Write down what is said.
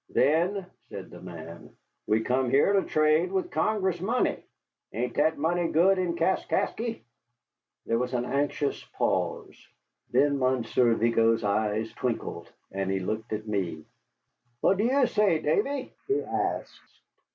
"Then," said the man, "we come here to trade with Congress money. Hain't that money good in Kaskasky?" There was an anxious pause. Then Monsieur Vigo's eyes twinkled, and he looked at me. "And what you say, Davy?" he asked.